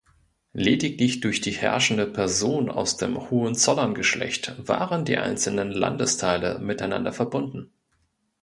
Lediglich durch die herrschende Person aus dem Hohenzollern-Geschlecht waren die einzelnen Landesteile miteinander verbunden.